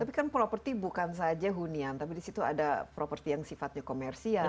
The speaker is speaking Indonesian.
tapi kan property bukan saja hunian tapi di situ ada property yang sifatnya komersial